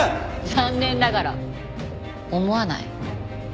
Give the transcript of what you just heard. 残念ながら思わない。